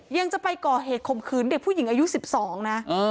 ยังจะไปก่อเหตุข่มขืนเด็กผู้หญิงอายุ๑๒นะ